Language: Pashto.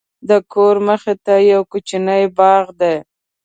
د کور مخته یو کوچنی باغ دی.